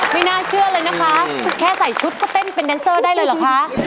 ไม่น่าเชื่อเลยนะคะแค่ใส่ชุดก็เต้นเป็นแดนเซอร์ได้เลยเหรอคะ